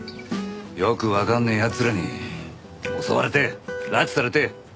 よくわかんねえ奴らに襲われて拉致されて監禁された。